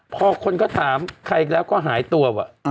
พอคนก็ถามใครอีกแล้วก็หายตัวว่ะ